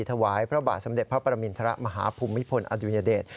ถวายพระบาทสมเด็จพระปรมินทรมาฮภูมิพลอดุญเดช